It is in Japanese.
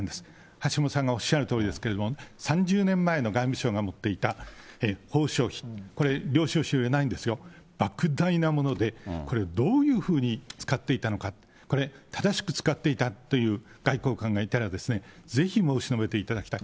橋下さんがおっしゃるとおりなんですが、３０年前の外務省が持っていた報償費、ばく大なもので、これ、どういうふうに使っていたのかって、これ、正しく使っていたという外交官がいたら、ぜひ、申し述べていただきたい。